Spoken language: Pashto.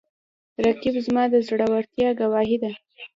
رقیب زما د زړورتیا ګواهي ده